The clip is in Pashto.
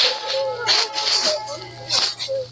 نو پیاده څنګه روان پر دغه لار دی؛